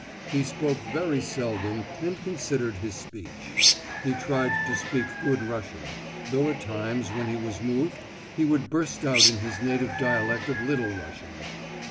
He spoke very seldom and considered his speech; he tried to speak good Russian, though at times when he was moved he would burst out in his native dialect of Little Russian.